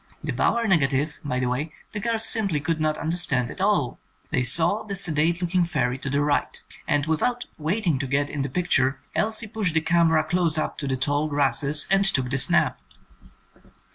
The bower nega tive, by the way, the girls simply could not understand at all. They saw the sedate looking fairy to the right, and without wait ing to get in the picture Elsie pushed the camera close up to the tall grasses and took the snap.